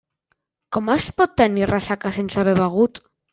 Com es pot tenir ressaca sense haver begut?